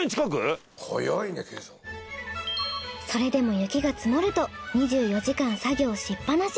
それでも雪が積もると２４時間作業しっぱなし。